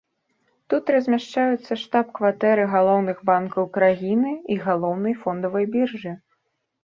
Тут размяшчаюцца штаб-кватэры галоўных банкаў краіны і галоўнай фондавай біржы.